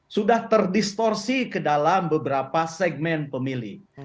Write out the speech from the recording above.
sudah terdistorsi ke dalam beberapa segmen pemilih